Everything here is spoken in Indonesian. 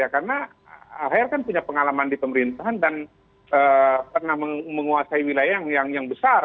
karena ahy kan punya pengalaman di pemerintahan dan pernah menguasai wilayah yang besar